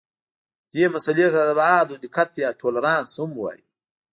دې مسئلې ته د ابعادو دقت یا تولرانس هم وایي.